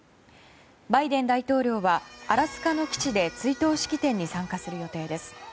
バイデン大統領はアラスカの基地で追悼式典に参加する予定です。